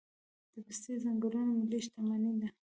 د پستې ځنګلونه ملي شتمني ده؟